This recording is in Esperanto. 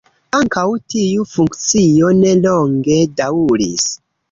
Ankaŭ tiu funkcio ne longe daŭris.